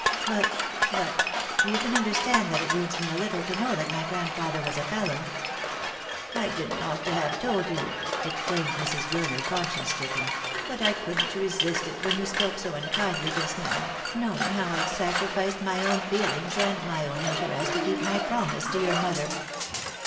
But — but — you can understand that it wounds me a little to know that my grandfather was a felon." " I didn't ought to have told you," exclaimed Mrs. Gurner, conscience stricken, " but I couldn't resist it, when you spoke so unkindly just now, knowing how I'd sacrificed my own feel ings and my own interest to keep my promise to your mother."